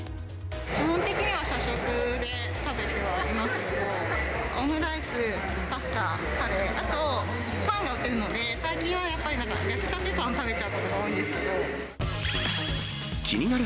基本的には社食で食べてはいますけど、オムライス、パスタ、カレー、あとパンが載ってるので、最近はやっぱり、焼きたてパン食べちゃ気になる！